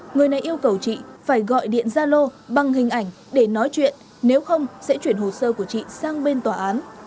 người này yêu cầu chị phải gọi điện gia lô bằng hình ảnh để nói chuyện nếu không sẽ chuyển hồ sơ của chị sang bên tòa án